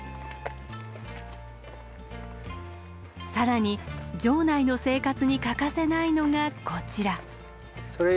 更に城内の生活に欠かせないのがこちら。